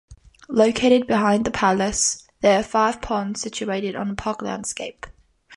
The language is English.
Located behind the palace, there are five ponds situated on a park landscape.